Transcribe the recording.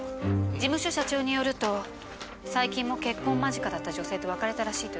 事務所社長によると最近も結婚間近だった女性と別れたらしいという話です。